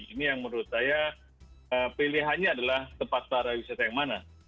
ini yang menurut saya pilihannya adalah tempat pariwisata yang mana